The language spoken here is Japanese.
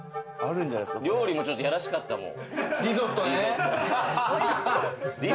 料理もちょっとやらしかったもん。